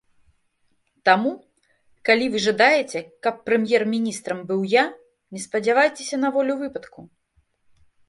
Таму, калі вы жадаеце, каб прэм'ер-міністрам быў я, не спадзявайцеся на волю выпадку.